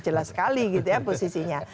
jelas sekali gitu ya posisinya